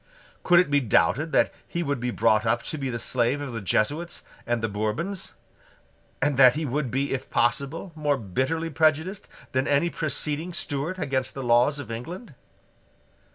Could it be doubted that he would be brought up to be the slave of the Jesuits and the Bourbons, and that he would be, if possible, more bitterly prejudiced than any preceding Stuart against the laws of England?